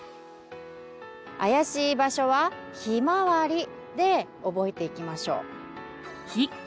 あやしい場所は「ひまわり」で覚えていきましょう。